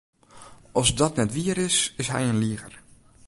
As dat net wier is, is hy in liger.